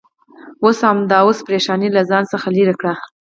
همدا اوس پرېشانۍ له ځان څخه لرې کړه.